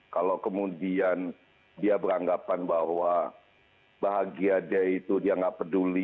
kalau kemudian dia beranggapan bahwa bahagia dia itu dia nggak peduli